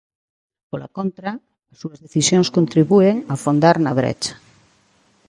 Pola contra as súas decisións contribúen a afondar na brecha.